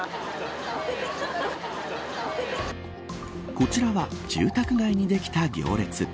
こちらは住宅街にできた行列。